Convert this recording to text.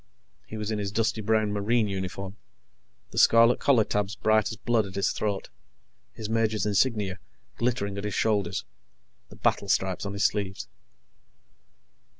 He was in his dusty brown Marine uniform, the scarlet collar tabs bright as blood at his throat, his major's insignia glittering at his shoulders, the battle stripes on his sleeves.